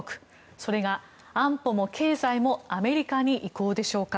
それが安保も経済もアメリカに移行でしょうか。